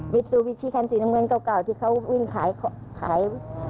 ซูบิชิคันสีน้ำเงินเก่าที่เขาวิ่งขาย